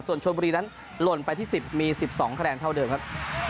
ส่วนชนบุรีนั้นหล่นไปที่๑๐มี๑๒คะแนนเท่าเดิมครับ